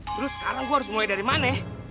terus sekarang gua harus mulai dari mana ya